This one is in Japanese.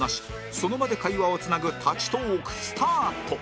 その場で会話をつなぐ立ちトーークスタート！